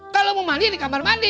kalau mau mandi di kamar mandi